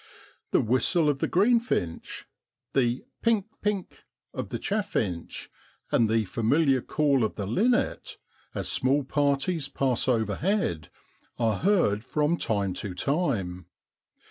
The whistle of the greenfinch, the pink pink of the chaffinch, and the familiar call of the linnet, as small parties pass overhead, are heard from time to time.